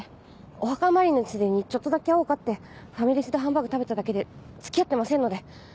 お墓参りのついでにちょっとだけ会おうかってファミレスでハンバーグ食べただけで付き合ってませんので。